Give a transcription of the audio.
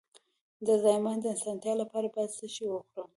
د زایمان د اسانتیا لپاره باید څه شی وخورم؟